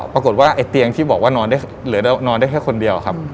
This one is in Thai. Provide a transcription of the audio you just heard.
ปรากฏว่าไอ้เตียงที่บอกว่านอนได้เหลือนอนได้แค่คนเดียวครับ